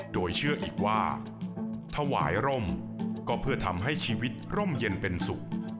โดยเชื่ออีกว่าถวายร่มก็เพื่อทำให้ชีวิตร่มเย็นเป็นสุข